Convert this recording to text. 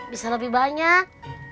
bisa lebih banyak